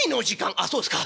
「ああそうっすか。